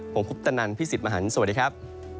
ผมคุปตนันพี่สิทธิ์มหันฯสวัสดีครับ